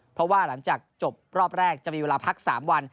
เพราะว่าหลังจากจบรอบแรกจะมีเวลาพัก๓วัน